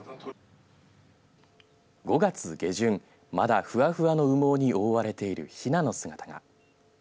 ５月下旬まだ、ふわふわの羽毛に覆われているひなの姿が。